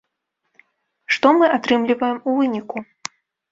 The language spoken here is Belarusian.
Што мы атрымліваем у выніку?